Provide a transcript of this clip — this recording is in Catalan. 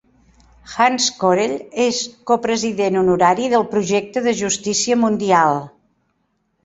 Hans Corell és copresident honorari del projecte de justícia mundial.